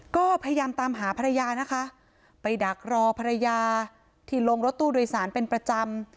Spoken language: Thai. ก็พยายามตามหาภรรยานะคะไปดักรอภรรยาที่ลงรถตู้โดยสารเป็นประจำ